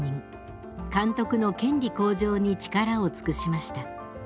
監督の権利向上に力を尽くしました。